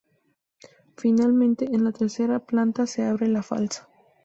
Finalmente, en la tercera planta se abre la falsa.